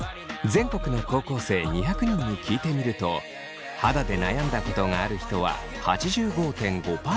全国の高校生２００人に聞いてみると肌で悩んだことがある人は８５．５％。